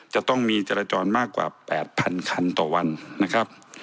จะต้องมีจรจรมากกว่า๘๐๐๐คันต่อวันนะครับ